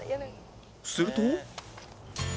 すると